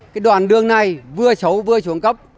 cái đoạn đường này vừa sấu vừa xuống cấp